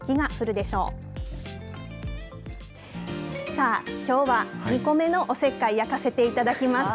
さあ、きょうは２個目のお節介、焼かせていただきます。